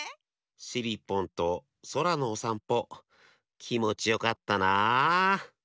しりっぽんとそらのおさんぽきもちよかったなあ。